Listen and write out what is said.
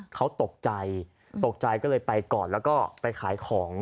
เขาตกใจตกใจก็เลยไปก่อนแล้วก็ไปขายของ